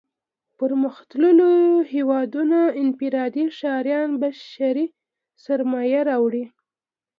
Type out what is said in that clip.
پرمختلليو هېوادونو انفرادي ښاريان بشري سرمايه راوړي.